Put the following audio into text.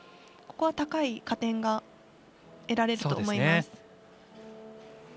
高い加点が得られると思います。